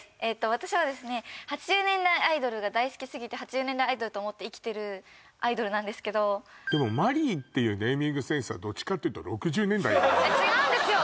私はですね８０年代アイドルが大好きすぎて８０年代アイドルと思って生きてるアイドルなんですけどでもマリーっていうネーミングセンスは違うんですよ